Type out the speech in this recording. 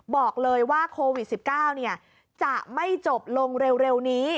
บอกเลยว่าโควิด๑๙จะไม่จบลงเร็วนี้